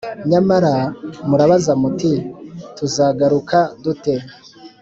Nyamara murabaza muti ‘Tuzagaruka dute?’